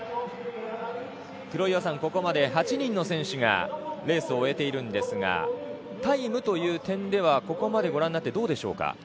黒岩さん、ここまで８人の選手がレースを終えているんですがタイムという点ではここまでご覧になってどうでしょうか。